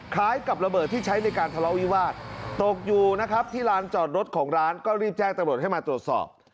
คล้ายกับระเบิดที่ใช้ในการทะเลาะวิวาสตกอยู่นะครับที่ลานจอดรถของร้านก็รีบแจ้งตำรวจให้มาตรวจสอบ